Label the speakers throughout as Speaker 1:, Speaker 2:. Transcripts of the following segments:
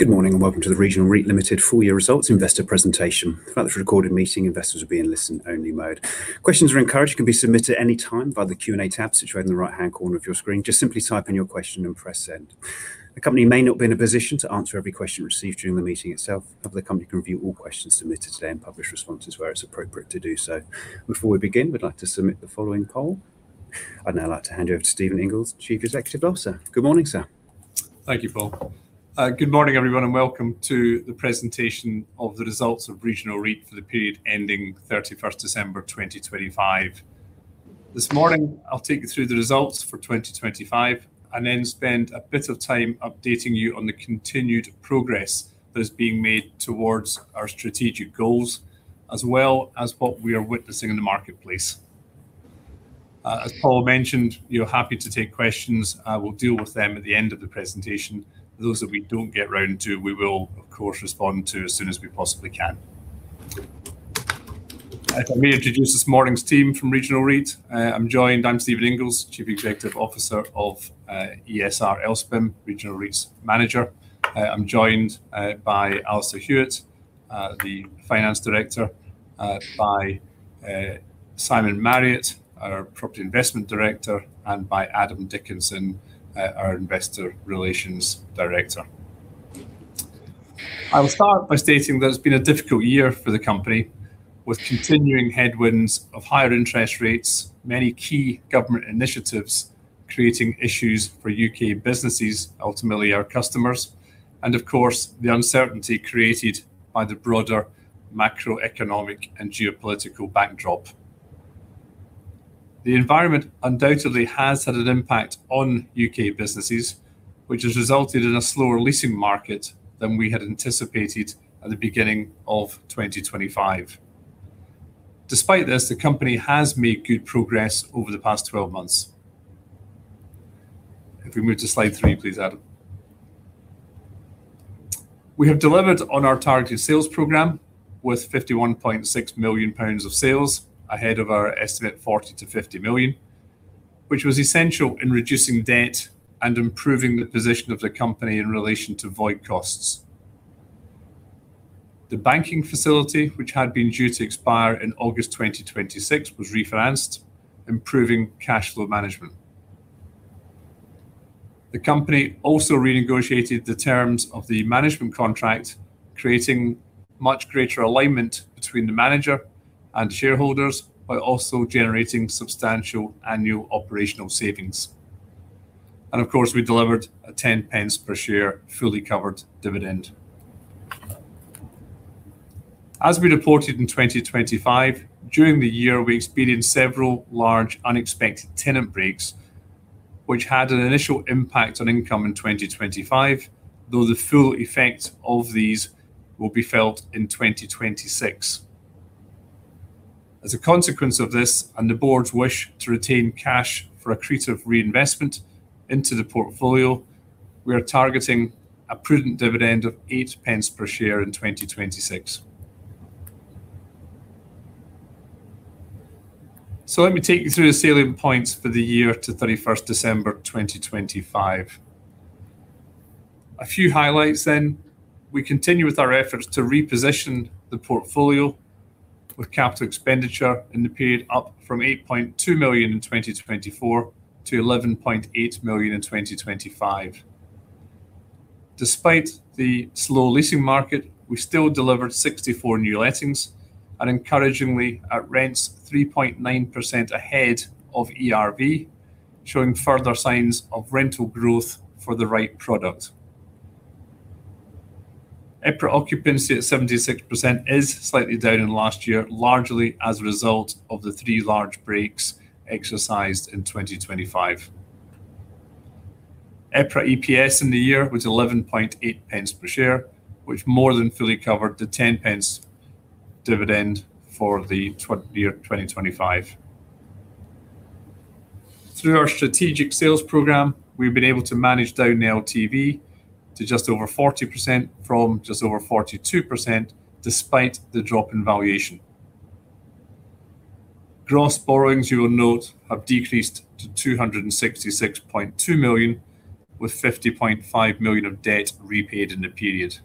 Speaker 1: Good morning and welcome to the Regional REIT Limited full year results investor presentation. For those on the recorded meeting, investors will be in listen-only mode. Questions are encouraged and can be submitted any time by the Q&A tab situated in the right-hand corner of your screen. Just simply type in your question and press Send. The company may not be in a position to answer every question received during the meeting itself. The company can review all questions submitted today and publish responses where it's appropriate to do so. Before we begin, we'd like to submit the following poll. I'd now like to hand you over to Stephen Inglis, Chief Executive Officer. Good morning, sir.
Speaker 2: Thank you, Paul. Good morning, everyone, welcome to the presentation of the results of Regional REIT for the period ending 31 December 2025. This morning, I'll take you through the results for 2025 and then spend a bit of time updating you on the continued progress that is being made towards our strategic goals, as well as what we are witnessing in the marketplace. As Paul mentioned, we are happy to take questions. I will deal with them at the end of the presentation. Those that we don't get round to, we will of course respond to as soon as we possibly can. If I may introduce this morning's team from Regional REIT, I'm Stephen Inglis, Chief Executive Officer of ESR LSPIM, Regional REIT's manager. I'm joined by Alistair Hewitt, the Finance Director, by Simon Marriott, our Property Investment Director, and by Adam Dickinson, our Investor Relations Director. I will start by stating that it's been a difficult year for the company with continuing headwinds of higher interest rates, many key government initiatives creating issues for U.K. businesses, ultimately our customers, and of course, the uncertainty created by the broader macroeconomic and geopolitical backdrop. The environment undoubtedly has had an impact on U.K. businesses, which has resulted in a slower leasing market than we had anticipated at the beginning of 2025. Despite this, the company has made good progress over the past 12 months. If we move to slide 3, please, Adam. We have delivered on our targeted sales program with 51.6 million pounds of sales ahead of our estimate, 40 million-50 million, which was essential in reducing debt and improving the position of the company in relation to void costs. The banking facility, which had been due to expire in August 2026, was refinanced, improving cash flow management. The company also renegotiated the terms of the management contract, creating much greater alignment between the manager and shareholders by also generating substantial annual operational savings. Of course, we delivered a 10 pence per share, fully covered dividend. As we reported in 2025, during the year, we experienced several large unexpected tenant breaks, which had an initial impact on income in 2025, though the full effect of these will be felt in 2026. As a consequence of this and the board's wish to retain cash for accretive reinvestment into the portfolio, we are targeting a prudent dividend of 0.08 per share in 2026. Let me take you through the salient points for the year to 31 December 2025. A few highlights. We continue with our efforts to reposition the portfolio with capital expenditure in the period up from 8.2 million in 2024 to 11.8 million in 2025. Despite the slow leasing market, we still delivered 64 new lettings and encouragingly at rents 3.9% ahead of ERV, showing further signs of rental growth for the right product. EPRA occupancy at 76% is slightly down on last year, largely as a result of the three large breaks exercised in 2025. EPRA EPS in the year was 11.8 pence per share, which more than fully covered the 10 pence dividend for the year 2025. Through our strategic sales program, we've been able to manage down LTV to just over 40% from just over 42% despite the drop in valuation. Gross borrowings, you will note, have decreased to 266.2 million, with 50.5 million of debt repaid in the period.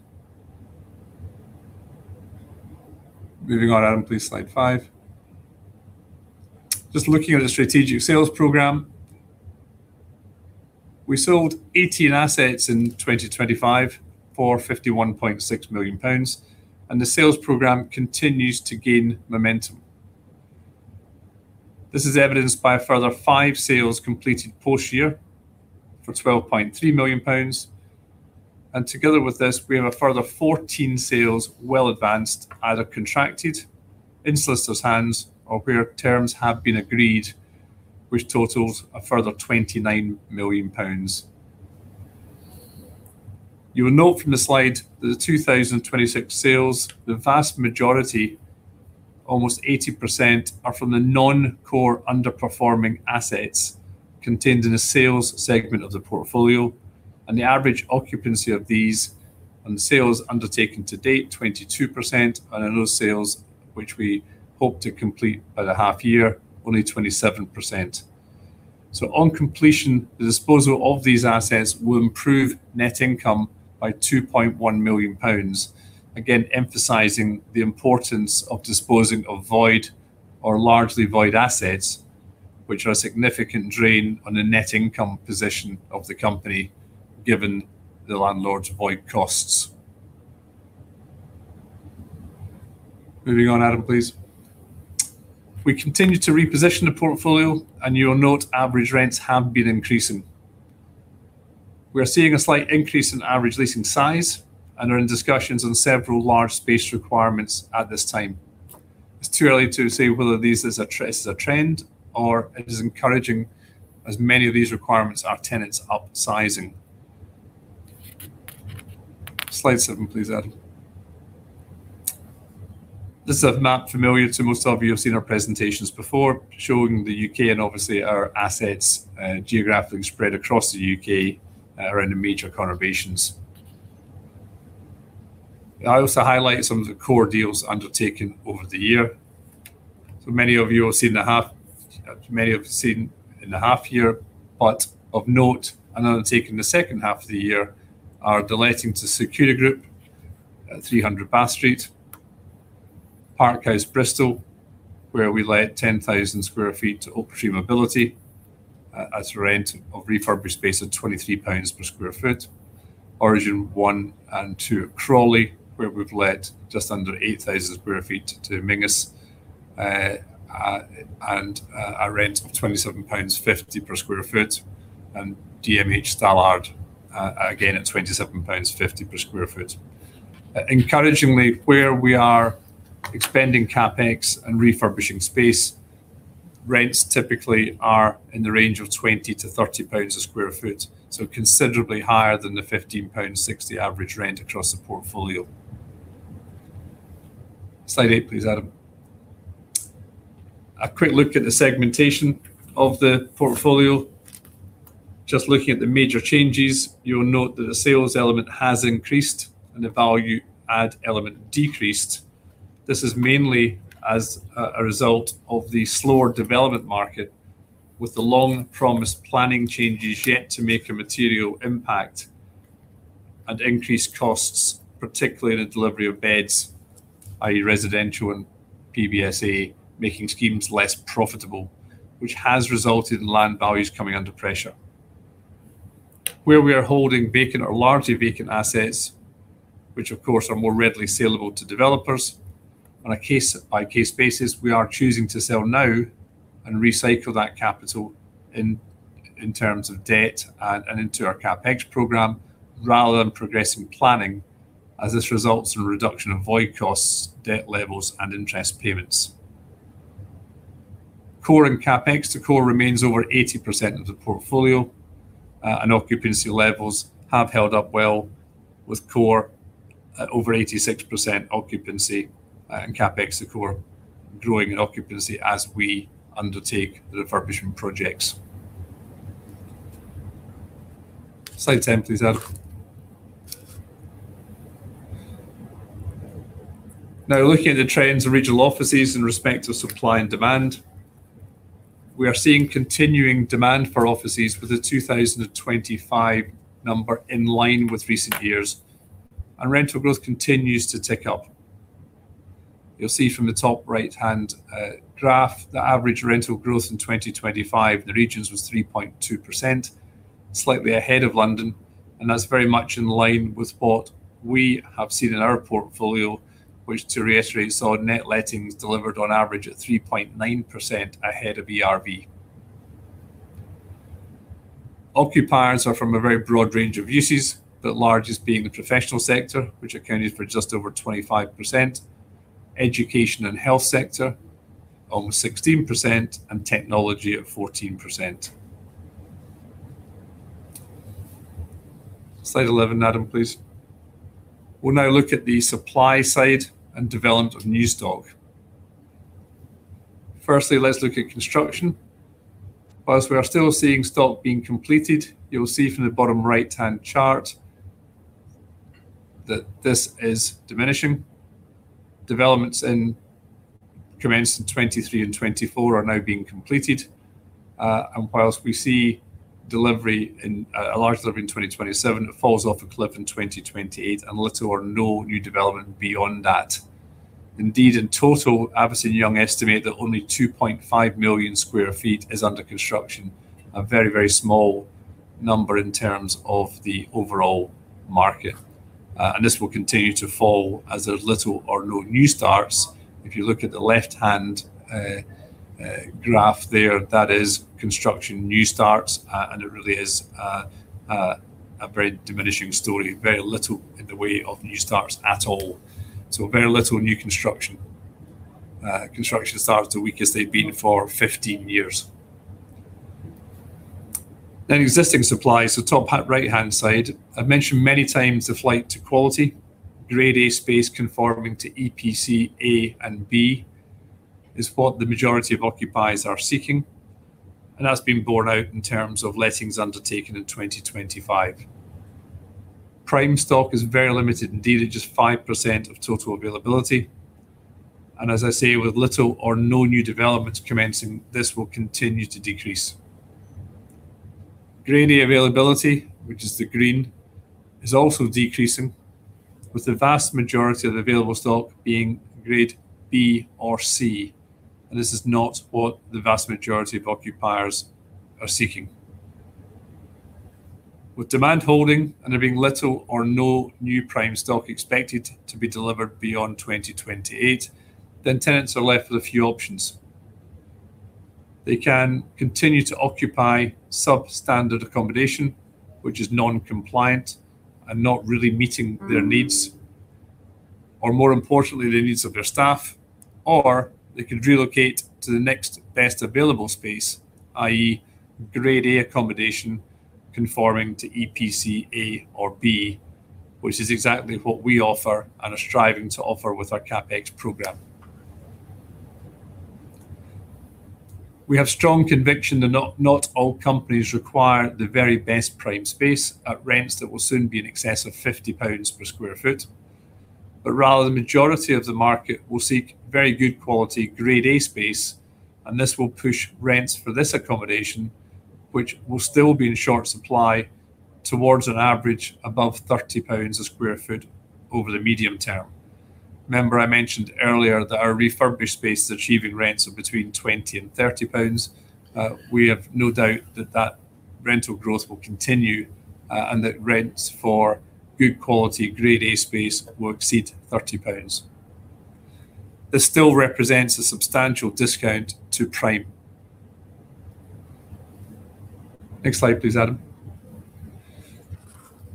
Speaker 2: Moving on, Adam, please, slide 5. Just looking at the strategic sales program, we sold 18 assets in 2025 for 51.6 million pounds, and the sales program continues to gain momentum. This is evidenced by a further five sales completed post year for 12.3 million pounds. Together with this, we have a further 14 sales well advanced, either contracted, in solicitor's hands, or where terms have been agreed, which totals a further 29 million pounds. You will note from the slide that the 2026 sales, the vast majority, almost 80%, are from the non-core underperforming assets contained in the sales segment of the portfolio and the average occupancy of these and the sales undertaken to date, 22%, and in those sales which we hope to complete by the half year, only 27%. On completion, the disposal of these assets will improve net income by 2.1 million pounds, again emphasizing the importance of disposing of void or largely void assets, which are a significant drain on the net income position of the company, given the landlord's void costs. Moving on, Adam, please. We continue to reposition the portfolio, and you will note average rents have been increasing. We are seeing a slight increase in average leasing size and are in discussions on several large space requirements at this time. It's too early to say whether this is a trend or it is encouraging as many of these requirements are tenants upsizing. Slide 7, please, Adam. This is a map familiar to most of you who've seen our presentations before, showing the U.K. and obviously our assets, geographically spread across the U.K., around the major conurbations. I also highlight some of the core deals undertaken over the year. Many of you will have seen the half year, but of note, another taken in the second half of the year are the letting to Securitas Group at 300 Bath Street. Park House, Bristol, where we let 10,000 sq ft to Ultre Mobility at a rent of refurbished space at 23 pounds per sq ft. Origin One and Two at Crawley, where we've let just under 8,000 sq ft to [Mingus] at a rent of 27.50 pounds per sq ft. DMH Stallard again at 27.50 pounds per sq ft. Encouragingly, where we are expending CapEx and refurbishing space, rents typically are in the range of 20-30 pounds a sq ft, so considerably higher than the 15.60 pounds average rent across the portfolio. Slide 8, please, Adam. A quick look at the segmentation of the portfolio. Just looking at the major changes, you will note that the sales element has increased and the Value add element decreased. This is mainly as a result of the slower development market, with the long-promised planning changes yet to make a material impact and increased costs, particularly in the delivery of beds, i.e., residential and PBSA, making schemes less profitable, which has resulted in land values coming under pressure. Where we are holding vacant or largely vacant assets, which of course are more readily sellable to developers, on a case-by-case basis, we are choosing to sell now and recycle that capital in terms of debt and into our CapEx program rather than progressing planning as this results in a reduction of void costs, debt levels and interest payments. Core and CapEx to core remains over 80% of the portfolio, and occupancy levels have held up well with core at over 86% occupancy, and CapEx to core growing in occupancy as we undertake the refurbishment projects. Slide 10, please, Adam. Now looking at the trends of regional offices in respect to supply and demand. We are seeing continuing demand for offices with the 2025 number in line with recent years, and rental growth continues to tick up. You'll see from the top right-hand graph, the average rental growth in 2025 in the regions was 3.2%, slightly ahead of London, and that's very much in line with what we have seen in our portfolio, which to reiterate, saw net lettings delivered on average at 3.9% ahead of ERV. Occupiers are from a very broad range of uses, the largest being the professional sector, which accounted for just over 25%, education and health sector almost 16%, and technology at 14%. Slide 11, Adam, please. We'll now look at the supply side and development of new stock. Firstly, let's look at construction. While we are still seeing stock being completed, you'll see from the bottom right-hand chart that this is diminishing. Developments commenced in 2023 and 2024 are now being completed. While we see a large delivery in 2027, it falls off a cliff in 2028 and little or no new development beyond that. Indeed, in total, Avison Young estimate that only 2.5 million sq ft is under construction, a very, very small number in terms of the overall market. This will continue to fall as there's little or no new starts. If you look at the left-hand graph there, that is construction new starts, and it really is a very diminishing story. Very little in the way of new starts at all. Very little new construction. Construction starts are the weakest they've been for 15 years. Existing supply is the top right-hand side. I've mentioned many times the flight to quality. Grade A space conforming to EPC A and B is what the majority of occupiers are seeking, and that's been borne out in terms of lettings undertaken in 2025. Prime stock is very limited indeed at just 5% of total availability. As I say, with little or no new developments commencing, this will continue to decrease. Grade A availability, which is the green, is also decreasing, with the vast majority of the available stock being Grade B or C. This is not what the vast majority of occupiers are seeking. With demand holding and there being little or no new prime stock expected to be delivered beyond 2028, tenants are left with a few options. They can continue to occupy substandard accommodation, which is non-compliant and not really meeting their needs or, more importantly, the needs of their staff. They could relocate to the next best available space, i.e., Grade A accommodation conforming to EPC A or B, which is exactly what we offer and are striving to offer with our CapEx program. We have strong conviction that not all companies require the very best prime space at rents that will soon be in excess of 50 pounds per sq ft. Rather, the majority of the market will seek very good quality Grade A space, and this will push rents for this accommodation, which will still be in short supply, towards an average above 30 pounds per sq ft over the medium term. Remember I mentioned earlier that our refurbished space is achieving rents of between 20 and 30 pounds. We have no doubt that that rental growth will continue, and that rents for good quality Grade A space will exceed 30 pounds. This still represents a substantial discount to prime. Next slide, please, Adam.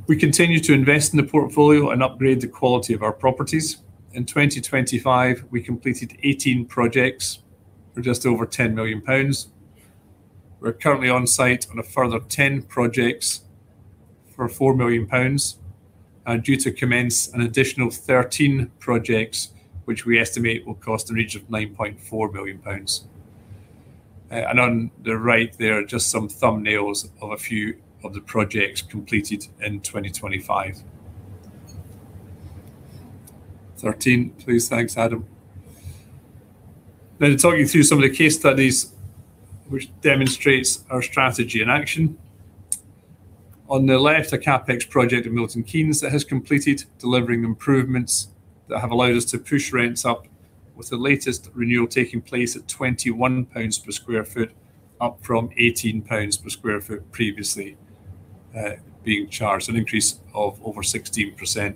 Speaker 2: We continue to invest in the portfolio and upgrade the quality of our properties. In 2025, we completed 18 projects for just over 10 million pounds. We're currently on site on a further 10 projects for 4 million pounds and due to commence an additional 13 projects, which we estimate will cost in the region of 9.4 million pounds. On the right there are just some thumbnails of a few of the projects completed in 2025. 13, please. Thanks, Adam. Let me talk you through some of the case studies which demonstrates our strategy in action. On the left, a CapEx project in Milton Keynes that has completed, delivering improvements that have allowed us to push rents up, with the latest renewal taking place at 21 pounds per sq ft, up from 18 pounds per sq ft previously, being charged, an increase of over 16%.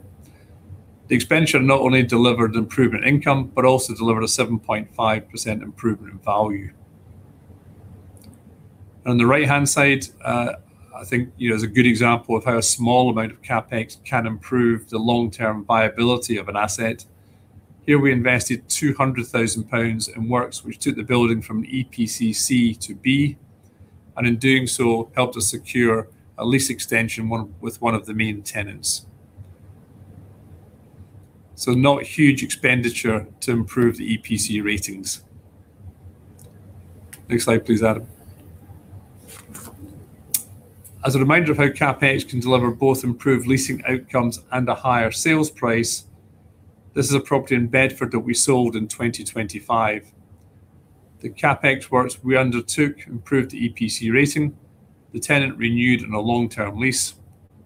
Speaker 2: The expenditure not only delivered improvement income, but also delivered a 7.5% improvement in value. On the right-hand side, I think, you know, is a good example of how a small amount of CapEx can improve the long-term viability of an asset. Here, we invested 200,000 pounds in works which took the building from EPC C to B, and in doing so, helped us secure a lease extension, one with one of the main tenants. Not huge expenditure to improve the EPC ratings. Next slide, please, Adam. As a reminder of how CapEx can deliver both improved leasing outcomes and a higher sales price, this is a property in Bedford that we sold in 2025. The CapEx works we undertook improved the EPC rating. The tenant renewed on a long-term lease.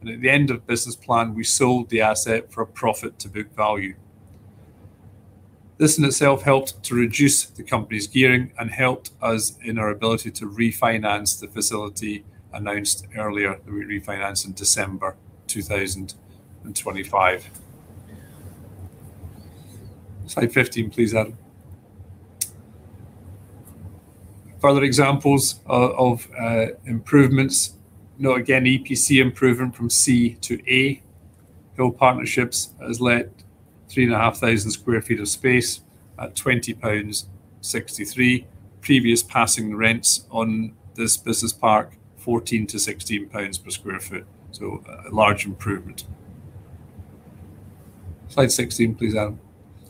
Speaker 2: At the end of business plan, we sold the asset for a profit to book value. This in itself helped to reduce the company's gearing and helped us in our ability to refinance the facility announced earlier. We refinanced in December 2025. Slide 15, please, Adam. Further examples of improvements. Now again, EPC improvement from C to A. Hill Partnerships has let 3,500 sq ft of space at 20.63 pounds. Previous passing rents on this business park, 14-16 pounds per sq ft, so a large improvement. Slide 16, please, Adam.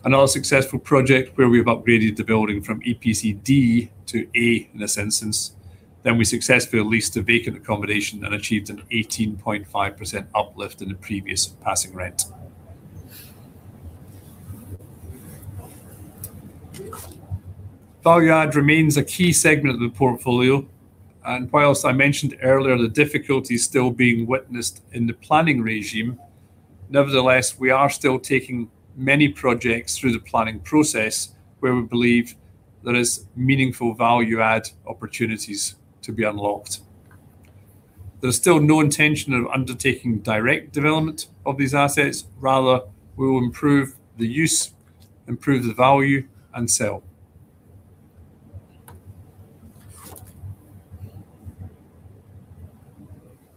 Speaker 2: Another successful project where we've upgraded the building from EPC D to A in this instance. We successfully leased the vacant accommodation and achieved an 18.5% uplift in the previous passing rent. Value add remains a key segment of the portfolio, and while I mentioned earlier the difficulties still being witnessed in the planning regime, nevertheless, we are still taking many projects through the planning process where we believe there is meaningful Value add opportunities to be unlocked. There is still no intention of undertaking direct development of these assets. Rather, we will improve the use, improve the value, and sell.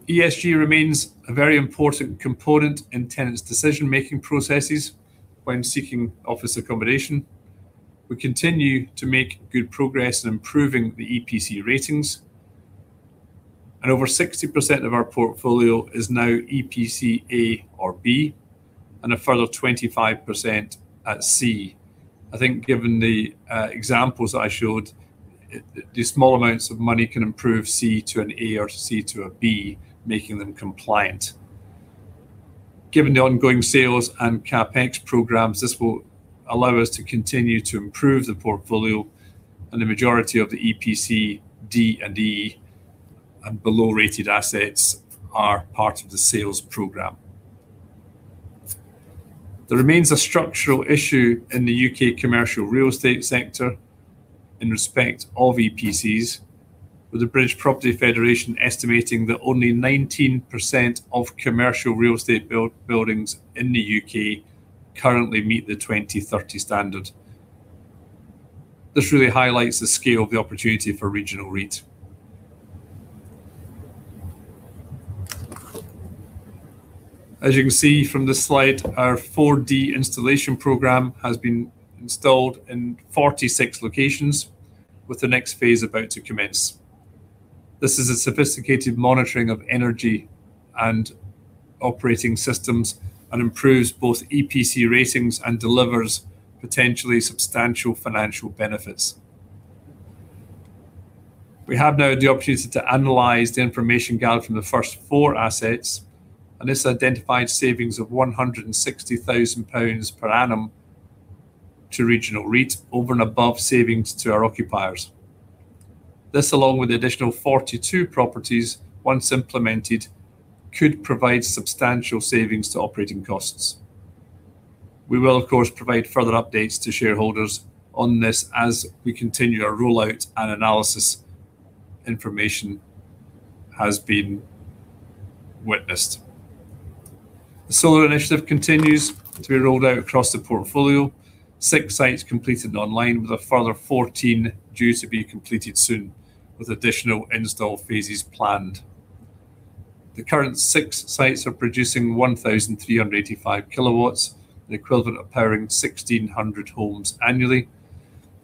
Speaker 2: ESG remains a very important component in tenants' decision-making processes when seeking office accommodation. We continue to make good progress in improving the EPC ratings, and over 60% of our portfolio is now EPC A or B. A further 25% at C. I think given the examples that I showed, the small amounts of money can improve C to an A or C to a B, making them compliant. Given the ongoing sales and CapEx programs, this will allow us to continue to improve the portfolio, and the majority of the EPC D and E and below rated assets are part of the sales program. There remains a structural issue in the U.K. commercial real estate sector in respect of EPCs, with the British Property Federation estimating that only 19% of commercial real estate buildings in the U.K. currently meet the 2030 standard. This really highlights the scale of the opportunity for Regional REIT. As you can see from this slide, our 4D installation program has been installed in 46 locations, with the next phase about to commence. This is a sophisticated monitoring of energy and operating systems and improves both EPC ratings and delivers potentially substantial financial benefits. We have now had the opportunity to analyze the information gathered from the first 4 assets, and this identified savings of 160 thousand pounds per annum to Regional REIT over and above savings to our occupiers. This, along with the additional 42 properties, once implemented, could provide substantial savings to operating costs. We will, of course, provide further updates to shareholders on this as we continue our rollout and analysis information has been witnessed. The solar initiative continues to be rolled out across the portfolio. Six sites completed and online, with a further 14 due to be completed soon, with additional install phases planned. The current six sites are producing 1,385 kW, the equivalent of powering 1,600 homes annually.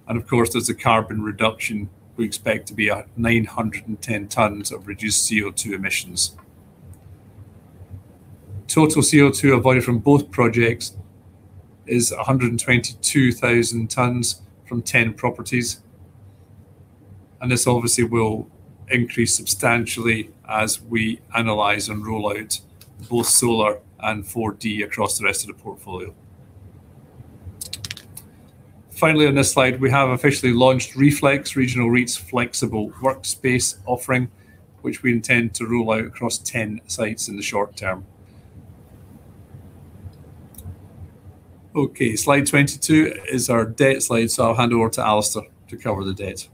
Speaker 2: Of course, there's a carbon reduction we expect to be at 910 tons of reduced CO2 emissions. Total CO2 avoided from both projects is 122,000 tonnes from 10 properties, and this obviously will increase substantially as we analyze and roll out both solar and 4D across the rest of the portfolio. Finally, on this slide, we have officially launched Reflex, Regional REIT's flexible workspace offering, which we intend to roll out across 10 sites in the short term. Okay, slide 22 is our debt slide, so I'll hand over to Alistair to cover the debt.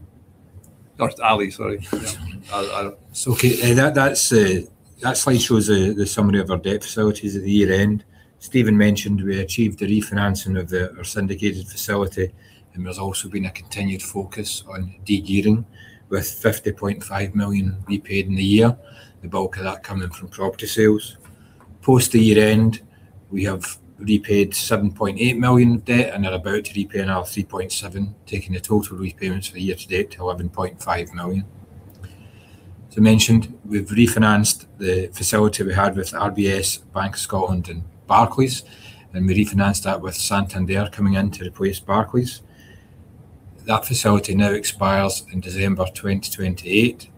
Speaker 2: Or Ali, sorry.
Speaker 3: It's okay. That slide shows the summary of our debt facilities at the year-end. Stephen mentioned we achieved the refinancing of our syndicated facility, and there's also been a continued focus on de-gearing, with 50.5 million repaid in the year. The bulk of that coming from property sales. Post the year-end, we have repaid 7.8 million of debt and are about to repay another 3.7, taking the total repayments for the year-to-date to 11.5 million. As I mentioned, we've refinanced the facility we had with RBS, Bank of Scotland and Barclays, and we refinanced that with Santander coming in to replace Barclays. That facility now expires in December 2028.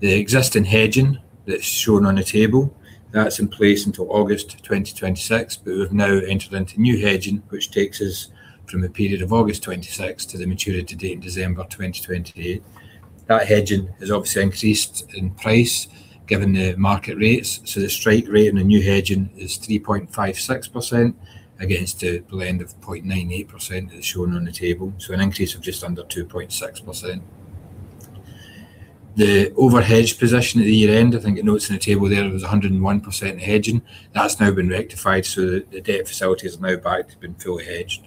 Speaker 3: The existing hedging that's shown on the table, that's in place until August 2026, but we've now entered into new hedging, which takes us from the period of August 2026 to the maturity date in December 2028. That hedging has obviously increased in price given the market rates. The strike rate on the new hedging is 3.56% against a blend of 0.98% as shown on the table. An increase of just under 2.6%. The over hedge position at the year-end, I think the notes on the table there, it was 101% hedging. That's now been rectified, so the debt facility is now back to being fully hedged.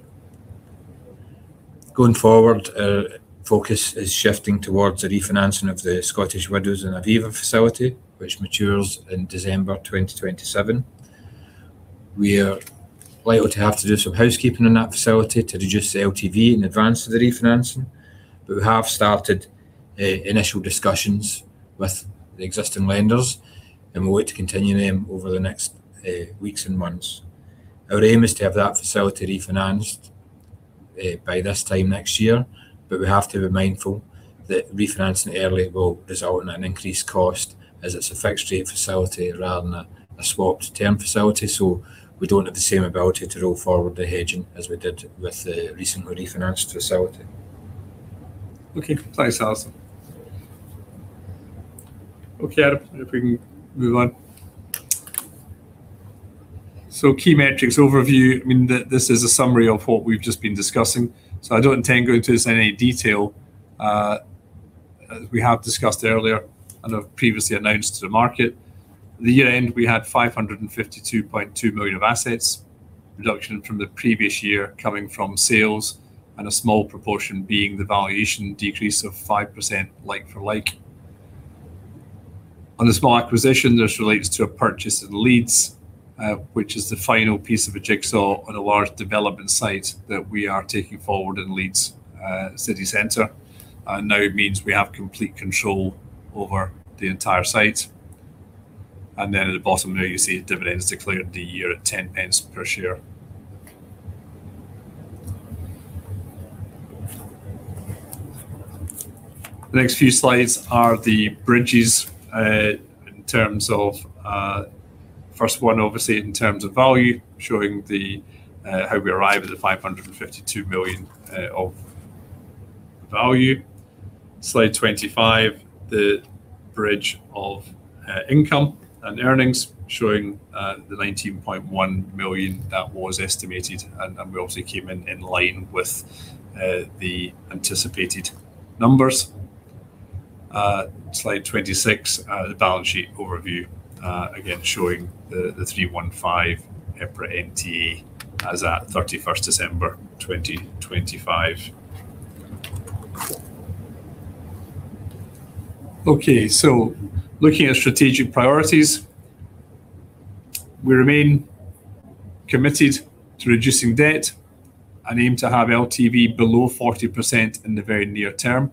Speaker 3: Going forward, our focus is shifting towards the refinancing of the Scottish Widows and Aviva facility, which matures in December 2027. We are likely to have to do some housekeeping on that facility to reduce the LTV in advance of the refinancing. We have started initial discussions with the existing lenders, and we want to continue them over the next weeks and months. Our aim is to have that facility refinanced by this time next year, but we have to be mindful that refinancing early will result in an increased cost as it's a fixed-rate facility rather than a swapped term facility. We don't have the same ability to roll forward the hedging as we did with the recently refinanced facility.
Speaker 2: Okay. Thanks, Alistair. Okay, Adam, if we can move on. Key metrics overview. I mean, this is a summary of what we've just been discussing, so I don't intend going into this in any detail. As we have discussed earlier and have previously announced to the market, at the year-end, we had 552.2 million of assets, reduction from the previous year coming from sales and a small proportion being the valuation decrease of 5% like for like. On the small acquisition, this relates to a purchase in Leeds, which is the final piece of a jigsaw on a large development site that we are taking forward in Leeds, city center, and now it means we have complete control over the entire site. Then at the bottom there, you see dividends declared the year at 10 pence per share. The next few slides are the bridges in terms of first one, obviously, in terms of value, showing how we arrive at the 552 million of value. Slide 25, the bridge of income and earnings showing the 19.1 million that was estimated, and we obviously came in line with the anticipated numbers. Slide 26, the balance sheet overview, again, showing the 315 EPRA NTA as at 31 December 2025. Looking at strategic priorities, we remain committed to reducing debt and aim to have LTV below 40% in the very near term.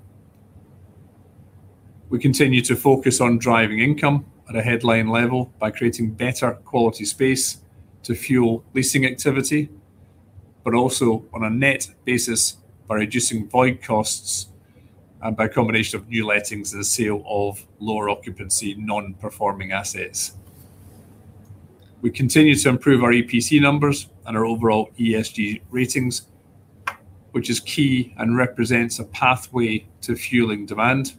Speaker 2: We continue to focus on driving income at a headline level by creating better quality space to fuel leasing activity, but also on a net basis by reducing void costs and by a combination of new lettings and the sale of lower occupancy non-performing assets. We continue to improve our EPC numbers and our overall ESG ratings, which is key and represents a pathway to fueling demand.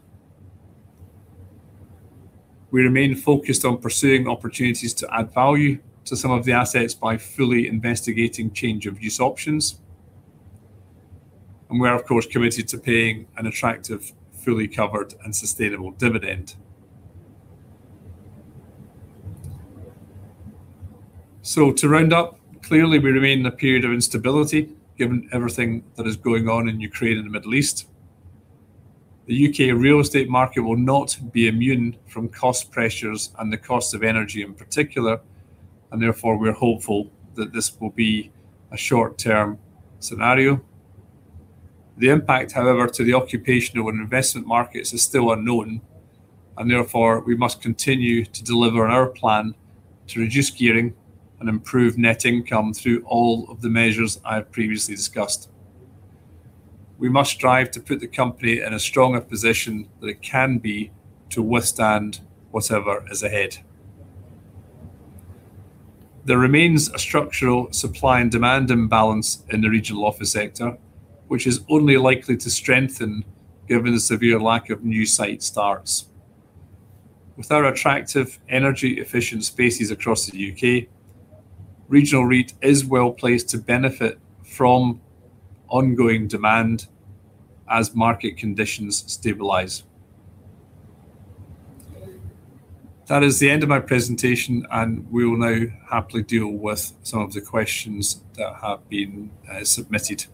Speaker 2: We remain focused on pursuing opportunities to add value to some of the assets by fully investigating change of use options. We are of course committed to paying an attractive, fully covered and sustainable dividend. To round up, clearly, we remain in a period of instability, given everything that is going on in Ukraine and the Middle East. The U.K. real estate market will not be immune from cost pressures and the cost of energy in particular, and therefore, we're hopeful that this will be a short-term scenario. The impact, however, to the occupation of investment markets is still unknown, and therefore, we must continue to deliver on our plan to reduce gearing and improve net income through all of the measures I have previously discussed. We must strive to put the company in as strong a position that it can be to withstand whatever is ahead. There remains a structural supply and demand imbalance in the regional office sector, which is only likely to strengthen given the severe lack of new site starts. With our attractive energy-efficient spaces across the U.K., Regional REIT is well placed to benefit from ongoing demand as market conditions stabilize. That is the end of my presentation, and we will now happily deal with some of the questions that have been submitted.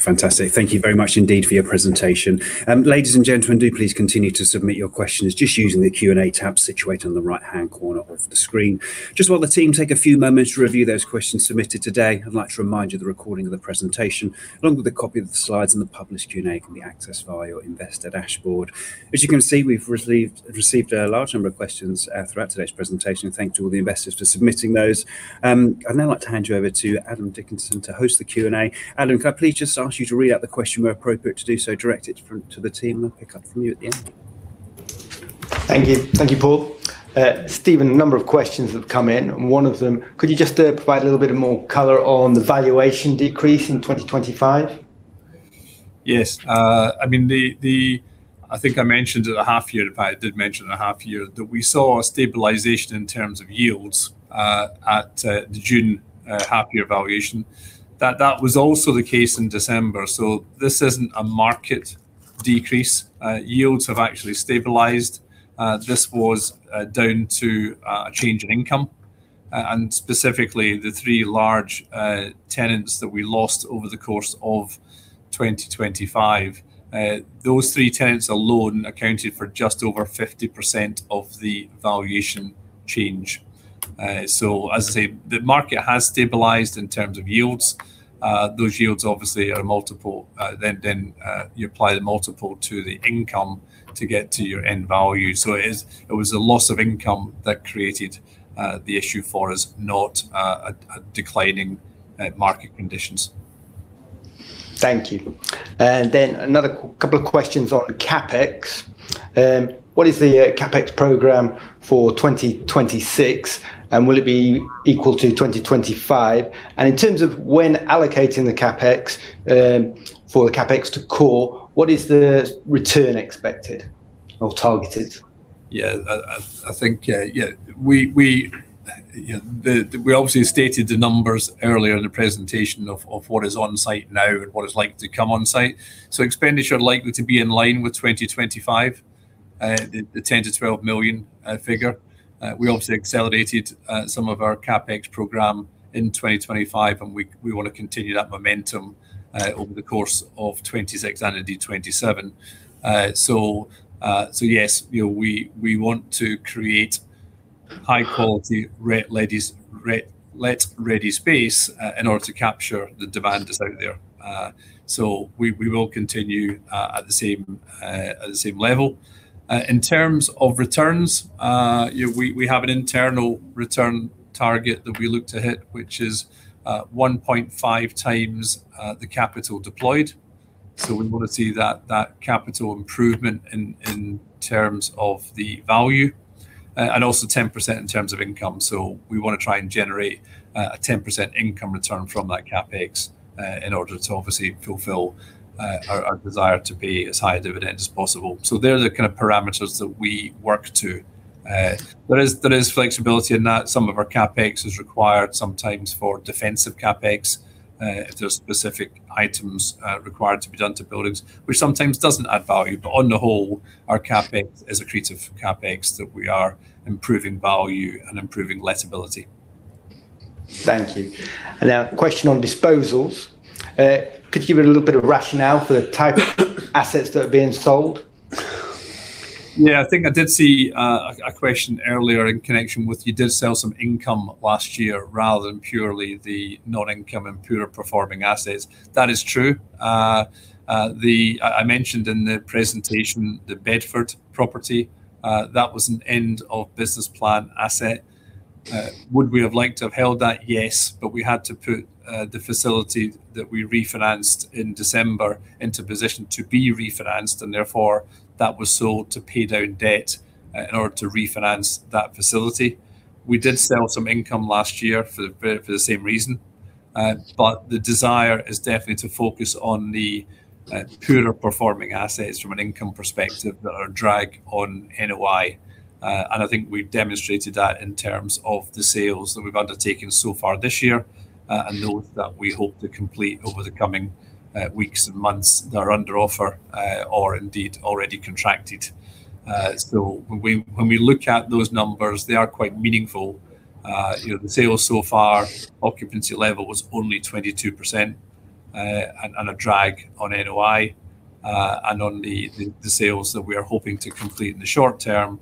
Speaker 1: Fantastic. Thank you very much indeed for your presentation. Ladies and gentlemen, do please continue to submit your questions just using the Q&A tab situated on the right-hand corner of the screen. Just while the team take a few moments to review those questions submitted today, I'd like to remind you the recording of the presentation along with a copy of the slides and the published Q&A can be accessed via your investor dashboard. As you can see, we've received a large number of questions throughout today's presentation. Thanks to all the investors for submitting those. I'd now like to hand you over to Adam Dickinson to host the Q&A. Adam, can I please just ask you to read out the question where appropriate to do so, direct it to the team, and pick up from you at the end?
Speaker 4: Thank you. Thank you, Paul. Stephen, a number of questions have come in and one of them, could you just provide a little bit of more color on the valuation decrease in 2025?
Speaker 2: Yes. I mean, I think I mentioned at the half year, if I did mention the half year, that we saw a stabilization in terms of yields at the June half year valuation. That was also the case in December. This isn't a market decrease. Yields have actually stabilized. This was down to a change in income, and specifically the three large tenants that we lost over the course of 2025. Those three tenants alone accounted for just over 50% of the valuation change. As I say, the market has stabilized in terms of yields. Those yields obviously are multiple. Then you apply the multiple to the income to get to your end value. It was a loss of income that created the issue for us, not a declining market conditions.
Speaker 4: Thank you. Another couple of questions on CapEx. What is the CapEx program for 2026, and will it be equal to 2025? In terms of when allocating the CapEx, for the CapEx to core, what is the return expected or targeted?
Speaker 2: I think we obviously stated the numbers earlier in the presentation of what is on site now and what is likely to come on site. Expenditure likely to be in line with 2025, the 10-12 million figure. We obviously accelerated some of our CapEx program in 2025 and we wanna continue that momentum over the course of 2026 and into 2027. Yes, you know, we want to create high quality, let ready space in order to capture the demand that's out there. We will continue at the same level. In terms of returns, you know, we have an internal return target that we look to hit, which is 1.5x the capital deployed. We wanna see that capital improvement in terms of the value, and also 10% in terms of income. We wanna try and generate a 10% income return from that CapEx in order to obviously fulfill our desire to pay as high a dividend as possible. They're the kind of parameters that we work to. There is flexibility in that some of our CapEx is required sometimes for defensive CapEx if there's specific items required to be done to buildings, which sometimes doesn't add value. On the whole, our CapEx is accretive CapEx that we are improving value and improving lettability.
Speaker 4: Thank you. Now a question on disposals. Could you give a little bit of rationale for the type of assets that are being sold?
Speaker 2: Yeah. I think I did see a question earlier in connection with you did sell some income last year rather than purely the non-income and poorer performing assets. That is true. I mentioned in the presentation the Bedford property that was an end of business plan asset. Would we have liked to have held that? Yes. We had to put the facility that we refinanced in December into position to be refinanced, and therefore that was sold to pay down debt in order to refinance that facility. We did sell some income last year for the same reason. The desire is definitely to focus on the poorer performing assets from an income perspective that are a drag on NOI. I think we've demonstrated that in terms of the sales that we've undertaken so far this year, and those that we hope to complete over the coming weeks and months that are under offer, or indeed already contracted. When we look at those numbers, they are quite meaningful. You know, the sales so far, occupancy level was only 22%, and a drag on NOI. On the sales that we are hoping to complete in the short term,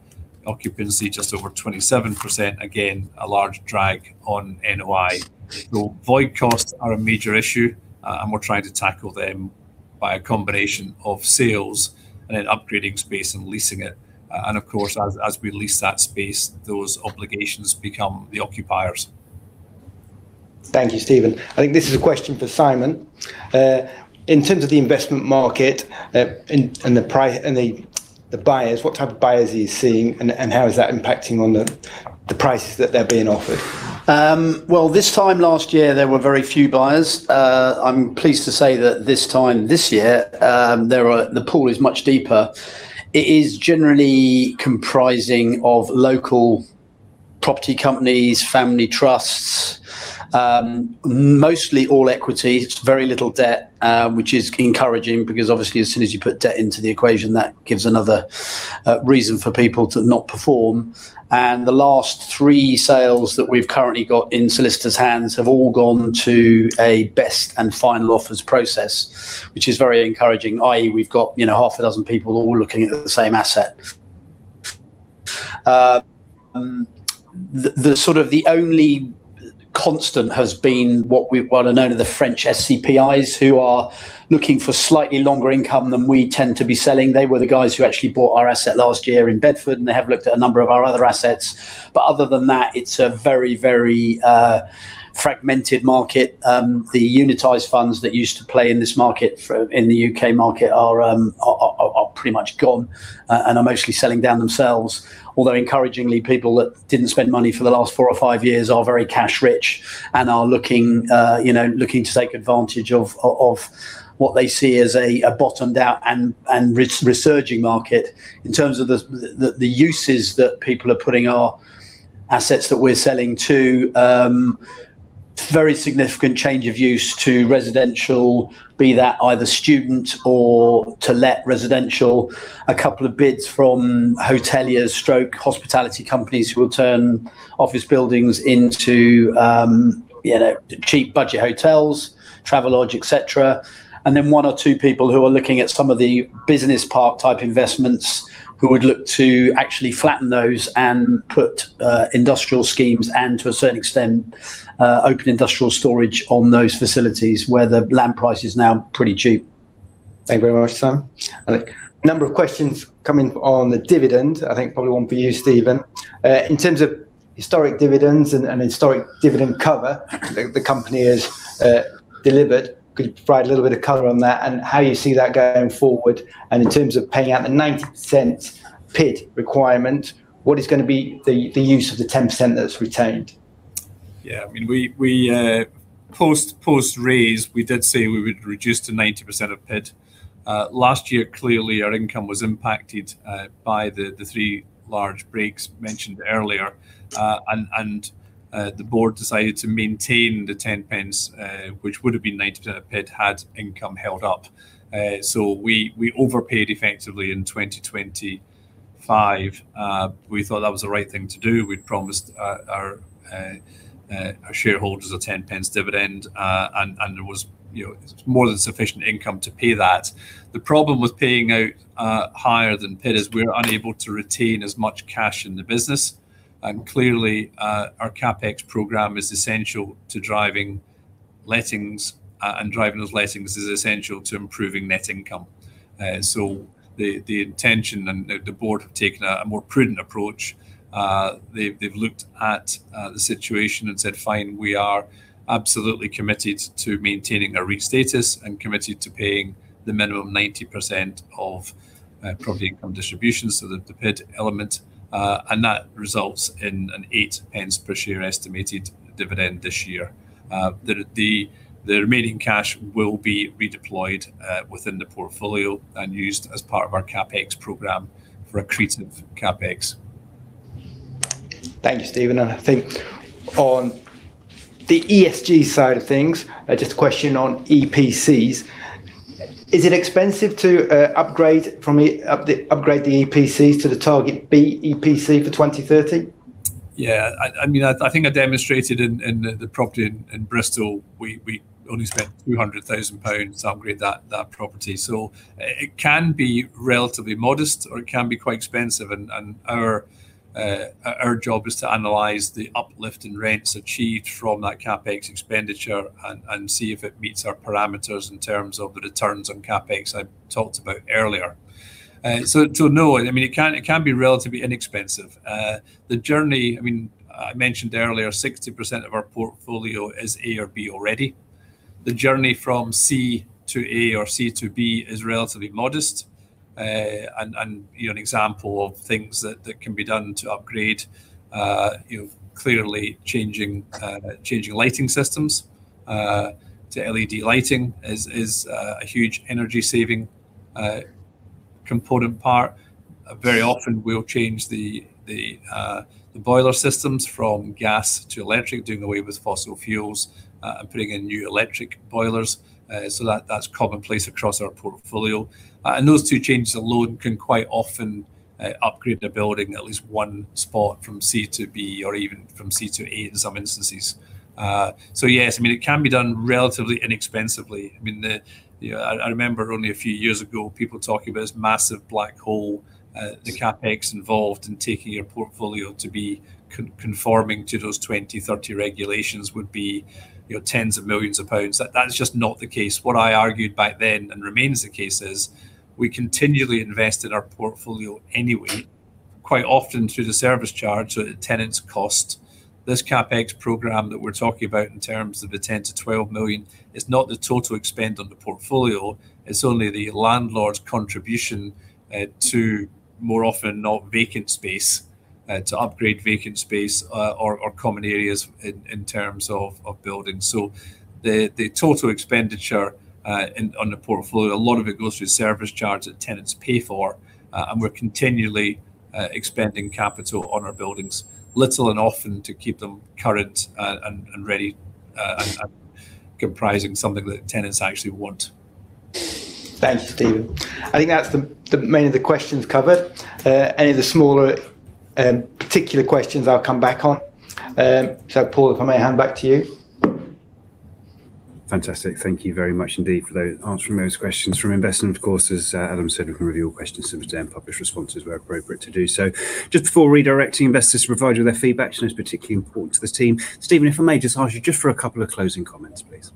Speaker 2: occupancy just over 27%. Again, a large drag on NOI. Void costs are a major issue, and we're trying to tackle them by a combination of sales and then upgrading space and leasing it. Of course, as we lease that space, those obligations become the occupiers.
Speaker 4: Thank you, Stephen. I think this is a question for Simon. In terms of the investment market, and the buyers, what type of buyers are you seeing and how is that impacting on the prices that they're being offered?
Speaker 5: Well, this time last year there were very few buyers. I'm pleased to say that this time this year, the pool is much deeper. It is generally comprising of local property companies, family trusts, mostly all equity. It's very little debt, which is encouraging because obviously as soon as you put debt into the equation, that gives another reason for people to not perform. The last three sales that we've currently got in solicitor's hands have all gone to a best and final offers process, which is very encouraging. i.e., we've got, you know, half a dozen people all looking at the same asset. The only constant has been what we've well known are the French SCPIs who are looking for slightly longer income than we tend to be selling. They were the guys who actually bought our asset last year in Bedford, and they have looked at a number of our other assets. Other than that, it's a very fragmented market. The unitized funds that used to play in this market, in the U.K. market are pretty much gone, and are mostly selling down themselves. Although encouragingly, people that didn't spend money for the last four or five years are very cash rich and are looking you know to take advantage of what they see as a bottomed out and resurging market. In terms of the uses that people are putting our assets that we are selling to, very significant change of use to residential, be that either student or to let residential. A couple of bids from hoteliers stroke hospitality companies who will turn office buildings into, you know, cheap budget hotels, Travelodge, et cetera. Then one or two people who are looking at some of the business park type investments who would look to actually flatten those and put industrial schemes and to a certain extent open industrial storage on those facilities where the land price is now pretty cheap.
Speaker 4: Thank you very much, Simon. A number of questions coming on the dividend, I think probably one for you, Stephen. In terms of historic dividends and historic dividend cover the company has delivered, could you provide a little bit of color on that and how you see that going forward? In terms of paying out the 90% PID requirement, what is gonna be the use of the 10% that's retained?
Speaker 2: Yeah. I mean, post-raise, we did say we would reduce to 90% of PID. Last year, clearly our income was impacted by the three large breaks mentioned earlier. The board decided to maintain the 10 pence, which would've been 90% of PID had income held up. We overpaid effectively in 2025. We thought that was the right thing to do. We'd promised our shareholders a 10 pence dividend. There was, you know, more than sufficient income to pay that. The problem with paying out higher than PID is we are unable to retain as much cash in the business. Clearly, our CapEx program is essential to driving lettings, and driving those lettings is essential to improving net income. The board have taken a more prudent approach. They've looked at the situation and said, "Fine, we are absolutely committed to maintaining a REIT status and committed to paying the minimum 90% of property income distributions," so the PID element. That results in an 8 pence per share estimated dividend this year. The remaining cash will be redeployed within the portfolio and used as part of our CapEx program for accretive CapEx.
Speaker 4: Thank you, Stephen. I think on the ESG side of things, just a question on EPCs. Is it expensive to upgrade the EPCs to the target EPC B for 2030?
Speaker 2: Yeah. I mean, I think I demonstrated in the property in Bristol, we only spent 200,000 pounds to upgrade that property. It can be relatively modest or it can be quite expensive and our job is to analyze the uplift in rents achieved from that CapEx expenditure and see if it meets our parameters in terms of the returns on CapEx I talked about earlier. No, I mean, it can be relatively inexpensive. The journey, I mean, I mentioned earlier 60% of our portfolio is A or B already. The journey from C to A or C to B is relatively modest. You know, an example of things that can be done to upgrade, clearly changing lighting systems to LED lighting is a huge energy-saving component part. Very often we'll change the boiler systems from gas to electric, doing away with fossil fuels and putting in new electric boilers. That's commonplace across our portfolio. Those two changes alone can quite often upgrade the building at least one spot from C to B or even from C to A in some instances. Yes, I mean, it can be done relatively inexpensively. I mean, you know, I remember only a few years ago people talking about this massive black hole, the CapEx involved in taking your portfolio to be conforming to those 2030 regulations would be, you know, tens of millions GBP. That's just not the case. What I argued back then and remains the case is we continually invest in our portfolio anyway, quite often through the service charge so at tenants' cost. This CapEx program that we're talking about in terms of the 10 million-12 million is not the total spend on the portfolio. It's only the landlord's contribution to more often than not vacant space to upgrade vacant space or common areas in terms of building. The total expenditure on the portfolio, a lot of it goes through service charge that tenants pay for, and we're continually expending capital on our buildings, little and often to keep them current and ready and comprising something that tenants actually want.
Speaker 4: Thanks, Stephen. I think that's the main of the questions covered. Any of the smaller, particular questions I'll come back on. Paul, if I may hand back to you.
Speaker 1: Fantastic. Thank you very much indeed for the answering those questions from investment courses. Adam said we can review all questions submitted and publish responses where appropriate to do so. Just before redirecting investors to provide you with their feedback, I know it's particularly important to this team, Stephen. If I may just ask you for a couple of closing comments, please.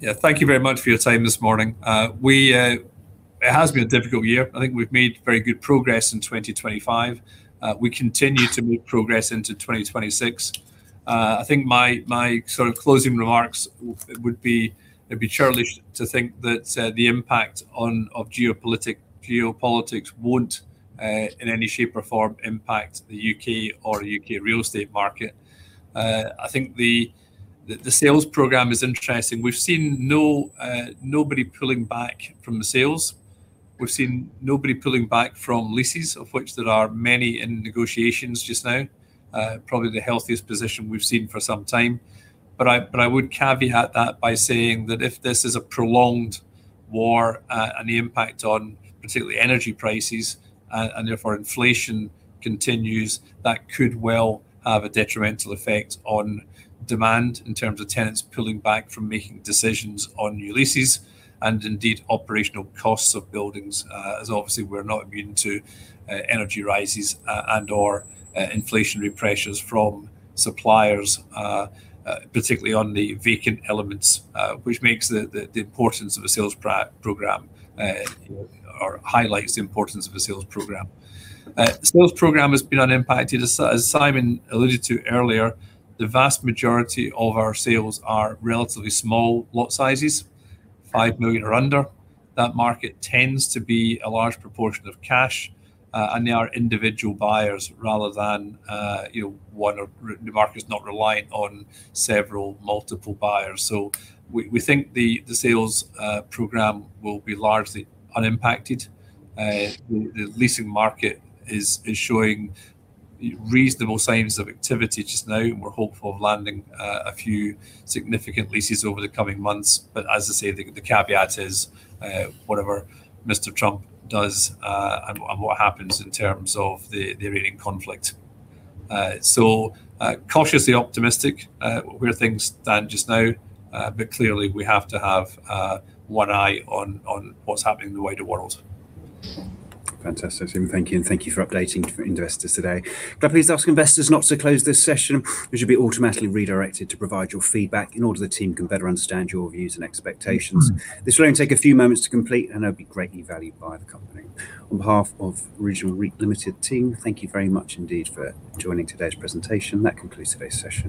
Speaker 2: Yeah. Thank you very much for your time this morning. It has been a difficult year. I think we've made very good progress in 2025. We continue to make progress into 2026. I think my sort of closing remarks would be it'd be churlish to think that the impact of geopolitics won't in any shape or form impact the U.K. real estate market. I think the sales program is interesting. We've seen nobody pulling back from the sales. We've seen nobody pulling back from leases, of which there are many in negotiations just now. Probably the healthiest position we've seen for some time. I would caveat that by saying that if this is a prolonged war, and the impact, particularly on energy prices, and therefore inflation continues, that could well have a detrimental effect on demand in terms of tenants pulling back from making decisions on new leases and indeed operational costs of buildings. As obviously we're not immune to energy rises and/or inflationary pressures from suppliers, particularly on the vacant elements, which makes the importance of a sales program or highlights the importance of a sales program. Sales program has been unimpacted. As Simon alluded to earlier, the vast majority of our sales are relatively small lot sizes, 5 million or under. That market tends to be a large proportion of cash, and they are individual buyers rather than you know the market is not reliant on several buyers. We think the sales program will be largely unimpacted. The leasing market is showing reasonable signs of activity just now, and we're hopeful of landing a few significant leases over the coming months. As I say, the caveat is whatever Mr. Trump does and what happens in terms of the Iranian conflict. Cautiously optimistic where things stand just now, but clearly we have to have one eye on what's happening in the wider world.
Speaker 1: Fantastic, Stephen. Thank you, and thank you for updating investors today. Can I please ask investors not to close this session? You should be automatically redirected to provide your feedback in order that the team can better understand your views and expectations. This will only take a few moments to complete and it'll be greatly valued by the company. On behalf of Regional REIT Limited team, thank you very much indeed for joining today's presentation. That concludes today's session.